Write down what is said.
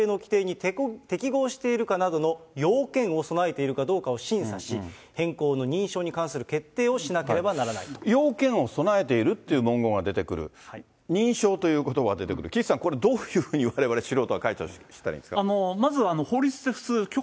所轄庁は名称変更の申請を受理した場合、その変更事項が法律・法令の規定に適合しているかの要件を備えているかどうかを審査し、変更の認証に関する決定をしなければなら要件を備えているっていう文言が出てくる、認証ということばが出てくる、岸さん、これ、どういうふうにわれわれ、素人は解釈したらいいんですか？